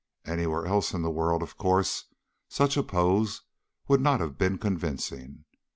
Anywhere else in the world, of course, such a pose would not have been convincing.